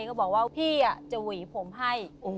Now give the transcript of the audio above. ก็บอกว่าพี่จะหวีผมให้